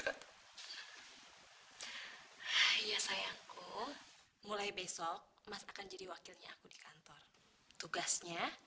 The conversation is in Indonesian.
ya sayangku mulai besok mas akan jadi wakilnya aku di kantor tugasnya